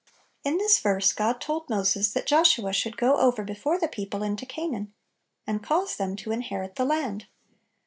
In this verse God told Moses that Joshua should go over before the peo ple into Canaan, and "cause them to inherit the land."